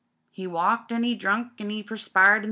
He walked an' he drunk an' he perspired in rivers.